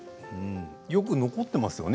よく残ってますよね